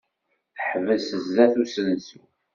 Teḥbes sdat usensu.